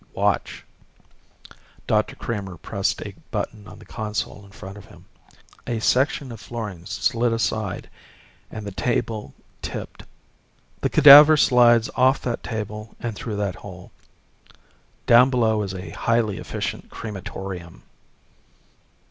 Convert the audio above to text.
"Watch." Dr. Kramer pressed a button on the console in front of him. A section of flooring slid aside and the table tipped. "The cadaver slides off that table and through that hole. Down below is a highly efficient crematorium."